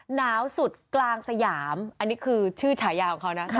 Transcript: หนาวสุดกลางสยามอันนี้คือชื่อฉายาของเขานะ